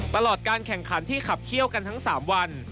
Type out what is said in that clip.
ตลอดการแข่งขันที่ขับเขี้ยวกันทั้ง๓วัน